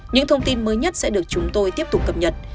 những thông tin mới nhất sẽ được chúng tôi tiếp tục cập nhật